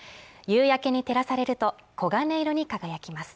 夕焼けに照らされると黄金色に輝きます